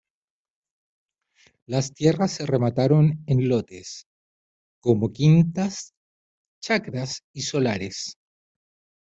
Las tierras se remataron en lotes, como, quintas, chacras y solares.